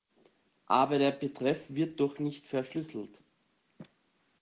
Aber der Betreff wird doch nicht verschlüsselt.